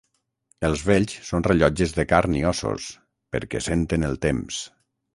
Els vells són rellotges de carn i ossos, perquè senten el temps.